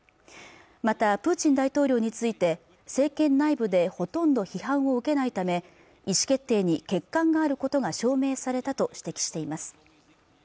またプーチン大統領について政権内部でほとんど批判を受けないため意思決定に欠陥があることが証明されたと指摘しています